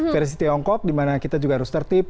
versi tiongkok dimana kita juga harus tertib